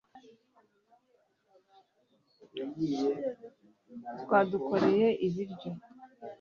Twadukoreye ibiryo